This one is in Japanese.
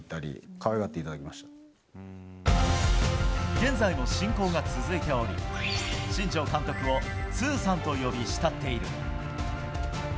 現在も親交が続いており新庄監督をツーさんと呼び慕っている。